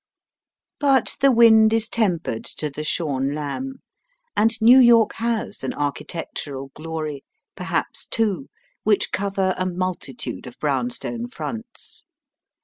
But the wind is tempered to the shorn lamb, and New York has an architectural glory, perhaps two, which cover a multitude of brown stone fronts.